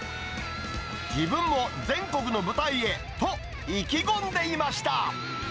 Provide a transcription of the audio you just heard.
自分も全国の舞台へと意気込んでいました。